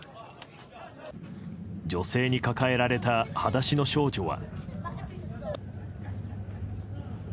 女性に抱えられた裸足の少女は。